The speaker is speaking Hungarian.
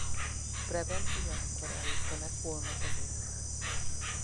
Brabham ugyanekkor előzte meg Hulme-ot az élre állva.